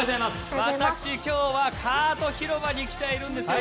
私、今日はカート広場に来ているんです。